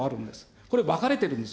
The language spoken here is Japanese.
これ、分かれているんですね。